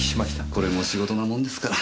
これも仕事なもんですから。